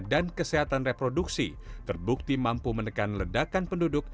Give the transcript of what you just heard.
dan kesehatan reproduksi terbukti mampu menekan ledakan penduduk